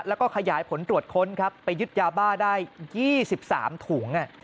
แล้วก็ขยายผลตรวจค้นครับไปยึดยาบ้าได้๒๓ถุง